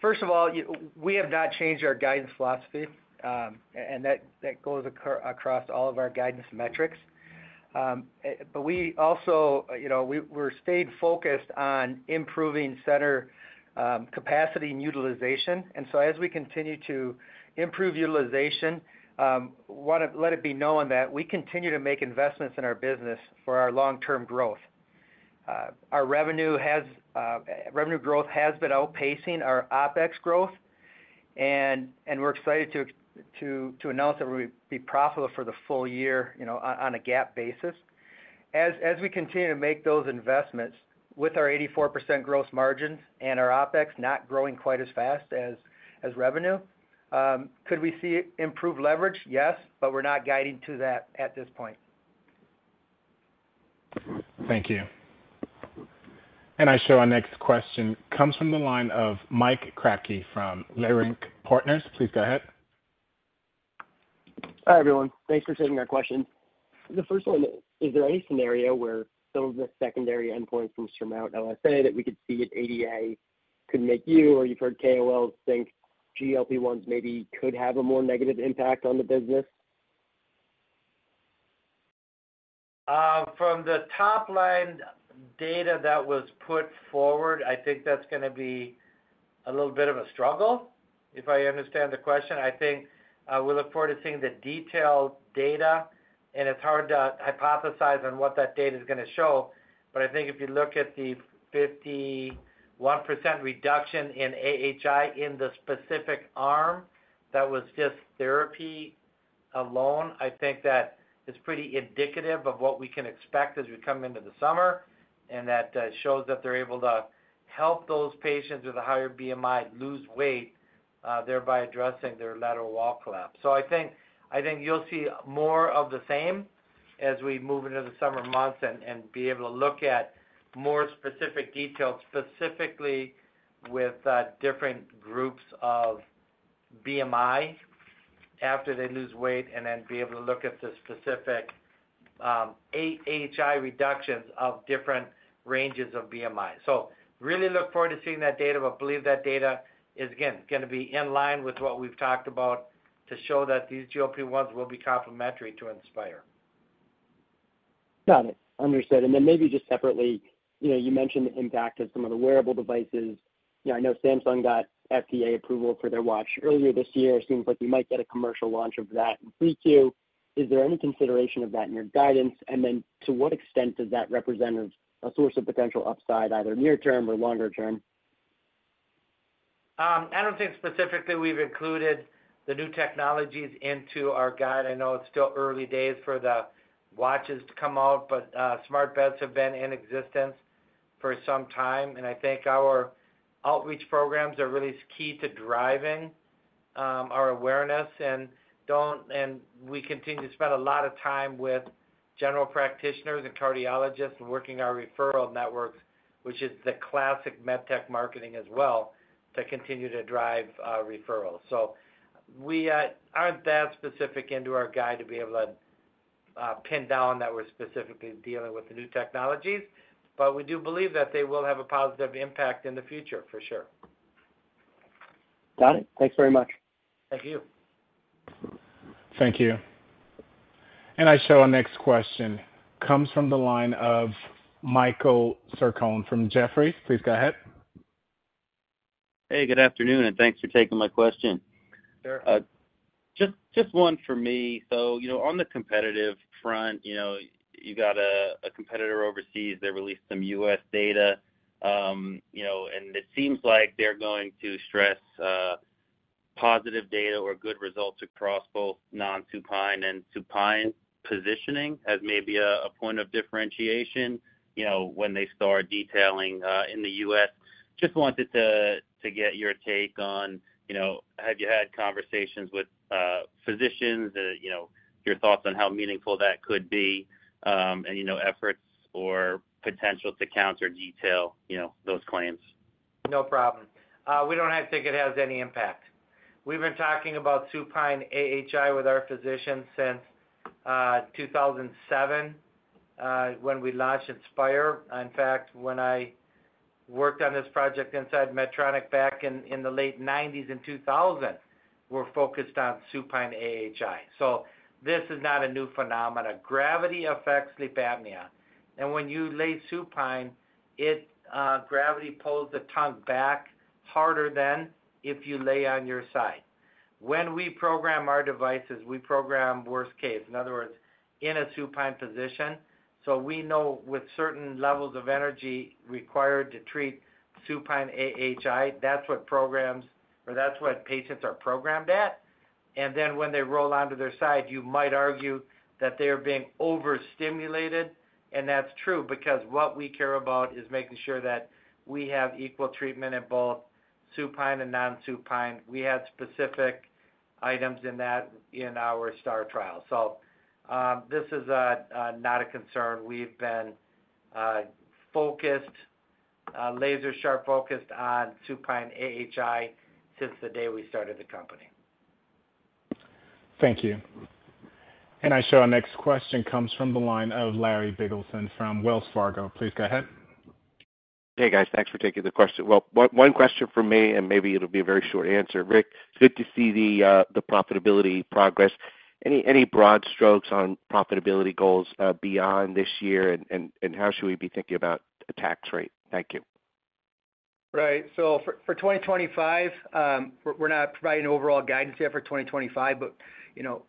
First of all, we have not changed our guidance philosophy, and that goes across all of our guidance metrics. But we also, you know, we're stayed focused on improving center capacity and utilization. And so as we continue to improve utilization, want to let it be known that we continue to make investments in our business for our long-term growth. Our revenue has, revenue growth has been outpacing our OpEx growth, and we're excited to announce that we'll be profitable for the full year, you know, on a GAAP basis. As we continue to make those investments with our 84% gross margin and our OpEx not growing quite as fast as revenue, could we see improved leverage? Yes, but we're not guiding to that at this point. Thank you. And I show our next question comes from the line of Mike Kratky from Leerink Partners. Please go ahead. Hi, everyone. Thanks for taking our question. The first one, is there any scenario where some of the secondary endpoints from SURMOUNT-OSA that we could see at ADA could make you, or you've heard KOLs think GLP-1s maybe could have a more negative impact on the business? From the top-line data that was put forward, I think that's gonna be a little bit of a struggle, if I understand the question. I think, we look forward to seeing the detailed data, and it's hard to hypothesize on what that data is gonna show. But I think if you look at the 51% reduction in AHI in the specific arm, that was just therapy alone, I think that is pretty indicative of what we can expect as we come into the summer, and that, shows that they're able to help those patients with a higher BMI lose weight, thereby addressing their lateral wall collapse. So I think, I think you'll see more of the same as we move into the summer months and, and be able to look at more specific details, specifically with different groups of BMI after they lose weight, and then be able to look at the specific AHI reductions of different ranges of BMI. So really look forward to seeing that data, but believe that data is, again, gonna be in line with what we've talked about to show that these GLP-1s will be complementary to Inspire. Got it. Understood. And then maybe just separately, you know, you mentioned the impact of some of the wearable devices. You know, I know Samsung got FDA approval for their watch earlier this year. It seems like we might get a commercial launch of that in 3Q. Is there any consideration of that in your guidance? And then to what extent does that represent a, a source of potential upside, either near term or longer term? I don't think specifically we've included the new technologies into our guide. I know it's still early days for the watches to come out, but smart beds have been in existence for some time, and I think our outreach programs are really key to driving our awareness. And we continue to spend a lot of time with general practitioners and cardiologists working our referral networks, which is the classic med tech marketing as well, to continue to drive referrals. So we aren't that specific into our guide to be able to pin down that we're specifically dealing with the new technologies, but we do believe that they will have a positive impact in the future, for sure. Got it. Thanks very much. Thank you. Thank you. Our next question comes from the line of Michael Sarcone from Jefferies. Please go ahead. Hey, good afternoon, and thanks for taking my question. Sure. Just, just one for me. So, you know, on the competitive front, you know, you got a competitor overseas. They released some U.S. data, you know, and it seems like they're going to stress positive data or good results across both non-supine and supine positioning as maybe a point of differentiation, you know, when they start detailing in the U.S. Just wanted to get your take on, you know, have you had conversations with physicians? You know, your thoughts on how meaningful that could be, and, you know, efforts or potential to counter detail those claims. No problem. We don't think it has any impact. We've been talking about supine AHI with our physicians since 2007, when we launched Inspire. In fact, when I worked on this project inside Medtronic back in the late 1990s and 2000, we're focused on supine AHI. So this is not a new phenomenon. Gravity affects sleep apnea, and when you lay supine, gravity pulls the tongue back harder than if you lay on your side. When we program our devices, we program worst case, in other words, in a supine position. So we know with certain levels of energy required to treat supine AHI, that's what patients are programmed at. And then when they roll onto their side, you might argue that they are being overstimulated. And that's true, because what we care about is making sure that we have equal treatment in both supine and non-supine. We had specific items in that in our STAR trial. So, this is not a concern. We've been focused laser-sharp focused on supine AHI since the day we started the company. Thank you. And I show our next question comes from the line of Larry Biegelsen from Wells Fargo. Please go ahead. Hey, guys. Thanks for taking the question. Well, one question from me, and maybe it'll be a very short answer. Rick, it's good to see the profitability progress. Any broad strokes on profitability goals beyond this year, and how should we be thinking about the tax rate? Thank you. Right. So for 2025, we're not providing overall guidance yet for 2025, but, you know,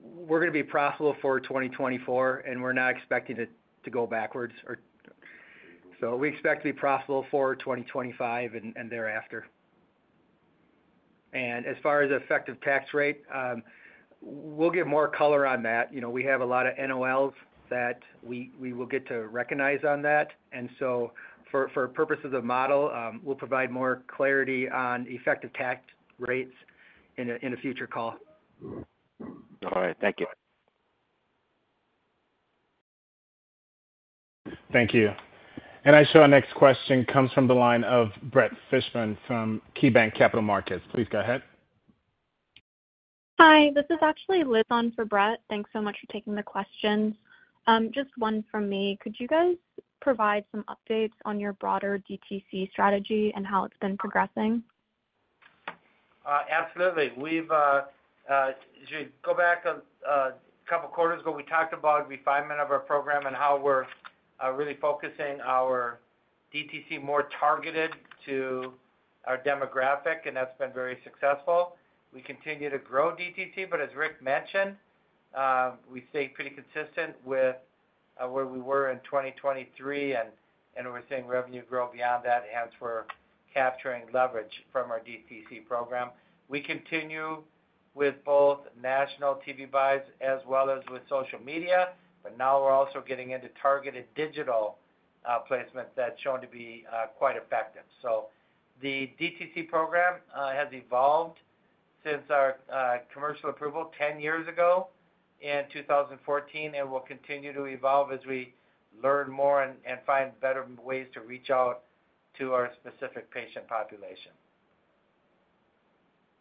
we're gonna be profitable for 2024, and we're not expecting it to go backwards or... So we expect to be profitable for 2025 and thereafter. And as far as effective tax rate, we'll give more color on that. You know, we have a lot of NOLs that we will get to recognize on that. And so for purposes of model, we'll provide more clarity on effective tax rates in a future call. All right. Thank you. Thank you. And I show our next question comes from the line of Brett Fishbin from KeyBanc Capital Markets. Please go ahead. Hi, this is actually Liz on for Brett. Thanks so much for taking the questions. Just one from me. Could you guys provide some updates on your broader DTC strategy and how it's been progressing? Absolutely. We've, as you go back a couple quarters ago, we talked about refinement of our program and how we're really focusing our DTC more targeted to our demographic, and that's been very successful. We continue to grow DTC, but as Rick mentioned, we stay pretty consistent with where we were in 2023, and we're seeing revenue grow beyond that as we're capturing leverage from our DTC program. We continue with both national TV buys as well as with social media, but now we're also getting into targeted digital placements that's shown to be quite effective. So the DTC program has evolved since our commercial approval 10 years ago in 2014, and will continue to evolve as we learn more and find better ways to reach out to our specific patient population.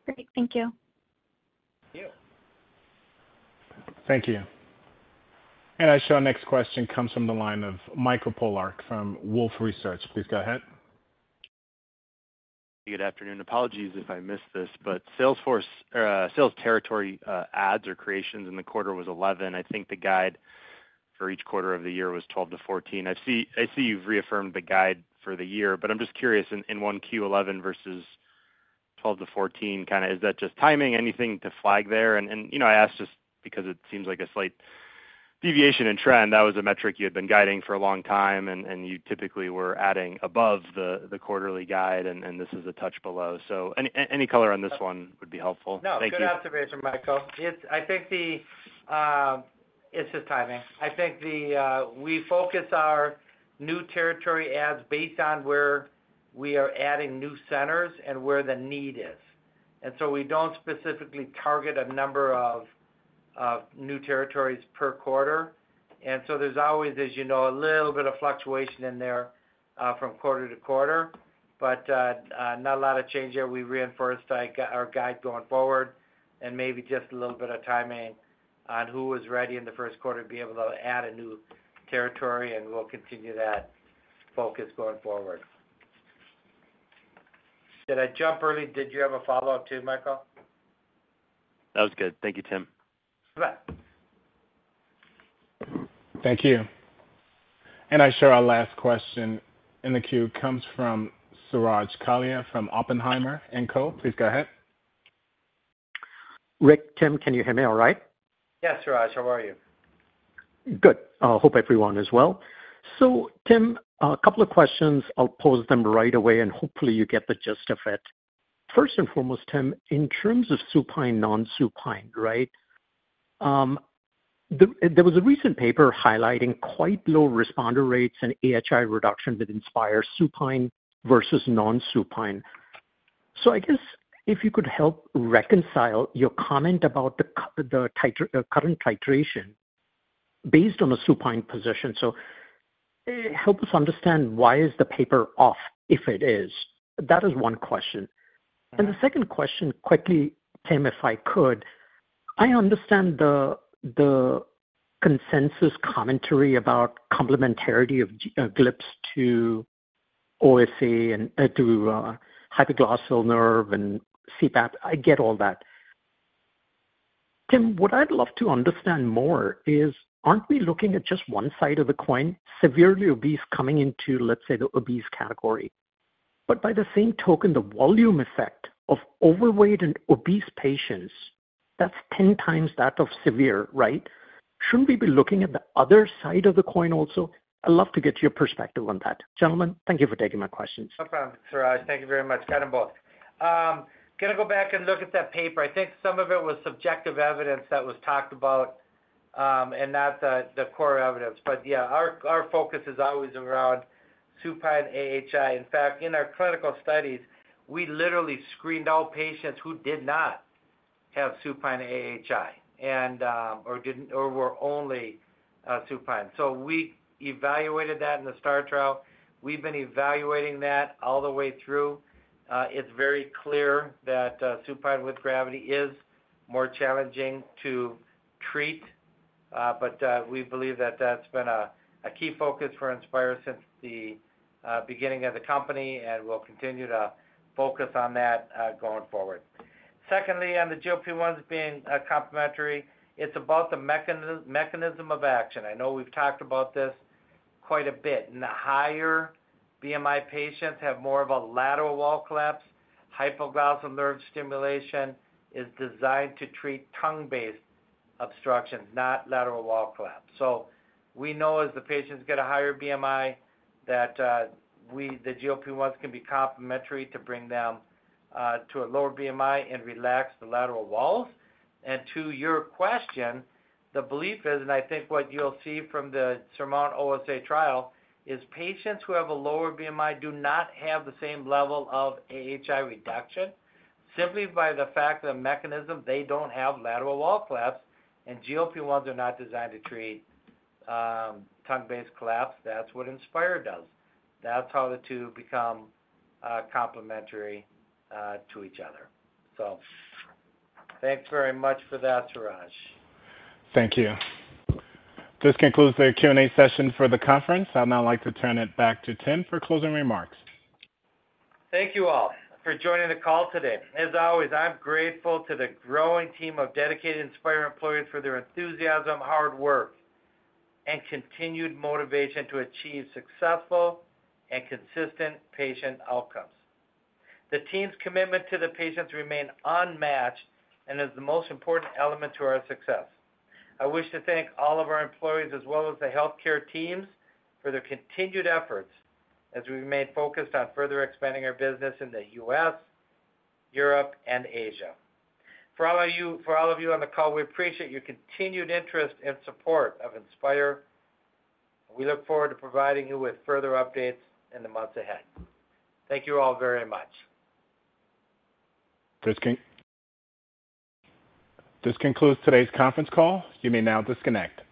Great. Thank you. Thank you. Thank you. Our next question comes from the line of Michael Polark from Wolfe Research. Please go ahead. Good afternoon. Apologies if I missed this, but Salesforce sales territory adds or creations in the quarter was 11. I think the guide for each quarter of the year was 12-14. I see you've reaffirmed the guide for the year, but I'm just curious, in Q1 11 versus 12-14, kind of is that just timing, anything to flag there? And you know, I ask just because it seems like a slight deviation in trend. That was a metric you had been guiding for a long time, and you typically were adding above the quarterly guide, and this is a touch below. So any color on this one would be helpful. No. Thank you. Good observation, Michael. It's I think it's just timing. I think we focus our new territory adds based on where we are adding new centers and where the need is. And so we don't specifically target a number of new territories per quarter. And so there's always, as you know, a little bit of fluctuation in there, from quarter to quarter, but, not a lot of change there. We reinforced our guide going forward and maybe just a little bit of timing on who was ready in the first quarter to be able to add a new territory, and we'll continue that focus going forward. Did I jump early? Did you have a follow-up, too, Michael? That was good. Thank you, Tim. You bet. Thank you. I show our last question in the queue comes from Suraj Kalia from Oppenheimer and Co. Please go ahead. Rick, Tim, can you hear me all right? Yes, Suraj, how are you? Good. Hope everyone is well. So Tim, a couple of questions. I'll pose them right away, and hopefully you get the gist of it. First and foremost, Tim, in terms of supine, non-supine, right? There was a recent paper highlighting quite low responder rates and AHI reduction that Inspire supine versus non-supine. So I guess if you could help reconcile your comment about the current titration based on a supine position. So, help us understand why is the paper off, if it is? That is one question. Mm-hmm. The second question, quickly, Tim, if I could. I understand the consensus commentary about complementarity of GLPs to OSA and to hypoglossal nerve and CPAP. I get all that. Tim, what I'd love to understand more is, aren't we looking at just one side of the coin, severely obese coming into, let's say, the obese category? But by the same token, the volume effect of overweight and obese patients, that's 10 times that of severe, right? Shouldn't we be looking at the other side of the coin also? I'd love to get your perspective on that. Gentlemen, thank you for taking my questions. No problem, Suraj. Thank you very much. Got them both. Gonna go back and look at that paper. I think some of it was subjective evidence that was talked about, and not the core evidence. But yeah, our focus is always around supine AHI. In fact, in our clinical studies, we literally screened out patients who did not have supine AHI and or didn't or were only supine. So we evaluated that in the STAR trial. We've been evaluating that all the way through. It's very clear that supine with gravity is more challenging to treat, but we believe that that's been a key focus for Inspire since the beginning of the company, and we'll continue to focus on that going forward. Secondly, on the GLP-1s being complementary, it's about the mechanism of action. I know we've talked about this quite a bit. In the higher BMI, patients have more of a lateral wall collapse. Hypoglossal nerve stimulation is designed to treat tongue-based obstructions, not lateral wall collapse. So we know as the patients get a higher BMI, that, we, the GLP-1s, can be complementary to bring them, to a lower BMI and relax the lateral walls. And to your question, the belief is, and I think what you'll see from the SURMOUNT-OSA trial, is patients who have a lower BMI do not have the same level of AHI reduction simply by the fact that mechanism, they don't have lateral wall collapse, and GLP-1s are not designed to treat, tongue-based collapse. That's what Inspire does. That's how the two become, complementary, to each other. So thanks very much for that, Suraj. Thank you. This concludes the Q&A session for the conference. I'd now like to turn it back to Tim for closing remarks. Thank you all for joining the call today. As always, I'm grateful to the growing team of dedicated Inspire employees for their enthusiasm, hard work, and continued motivation to achieve successful and consistent patient outcomes. The team's commitment to the patients remain unmatched and is the most important element to our success. I wish to thank all of our employees as well as the healthcare teams for their continued efforts as we remain focused on further expanding our business in the US, Europe, and Asia. For all of you, for all of you on the call, we appreciate your continued interest and support of Inspire. We look forward to providing you with further updates in the months ahead. Thank you all very much. This concludes today's conference call. You may now disconnect.